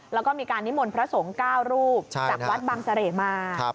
แล้วก็มีการนิมนต์พระสงฆ์๙รูปจากวัดบางเสร่มา